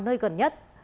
nơi gần nhất